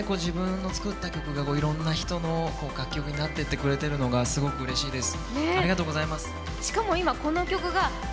自分の作った曲がいろんな人の楽曲になっていってくれているのがすごくうれしいです。